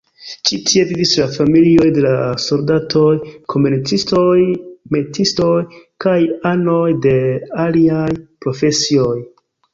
Ĉi- tie vivis la familioj de la soldatoj, komercistoj, metiistoj kaj anoj de aliaj profesioj.